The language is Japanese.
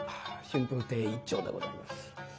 春風亭一朝でございます。